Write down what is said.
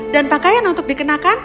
dan pakaian untuk dikenakan